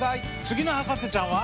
次の博士ちゃんは。